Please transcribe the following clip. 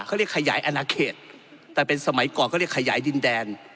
เขาเรียกขยายอนาเขตแต่เป็นสมัยก่อนก็เรียกขยายดินแดน